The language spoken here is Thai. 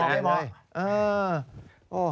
เออ